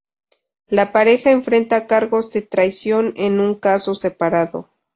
La pareja enfrenta cargos de traición en un caso separado.